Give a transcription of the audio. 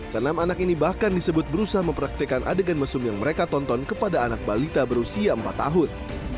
kenam anak ini bahkan disebut berusaha mempraktekan adegan mesum yang mereka tonton kepada anak balita berusia empat tahun